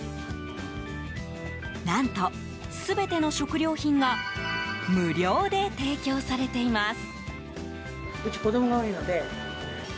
何と、全ての食料品が無料で提供されています。